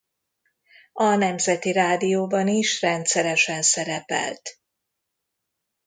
A Nemzeti Rádióban is rendszeresen szerepelt.